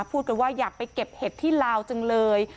พูดกันว่าอยากไปเก็บเห็ดที่ลาวจังเลย